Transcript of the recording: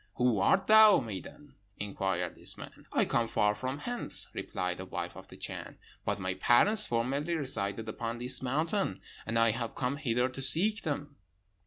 'Who art thou, maiden?' inquired this man. 'I come far from hence,' replied the wife of the Chan; 'but my parents formerly resided upon this mountain, and I have come hither to seek them.'